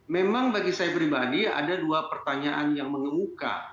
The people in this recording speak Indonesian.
memang bagi saya pribadi ada dua pertanyaan yang mengemuka